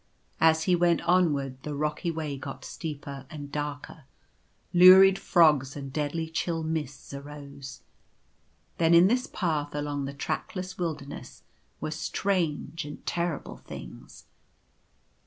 As he went onward the rocky way got steeper and darker. Lurid fogs and deadly chill mists arose. Then in this path along the trackless wilderness were strange and terrible things.